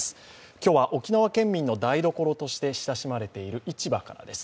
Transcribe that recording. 今日は、沖縄県民の台所として親しまれている市場からです。